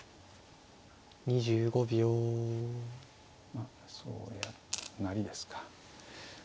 まあそう成りですか。